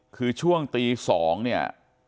คือช่วงตี๒เนี่ย